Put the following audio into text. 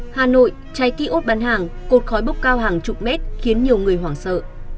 hà nội chai ký ốt bán hàng cột khói bốc cao hàng chục mét khiến nhiều người hoảng sợ